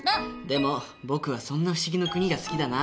でも僕はそんな不思議の国が好きだな。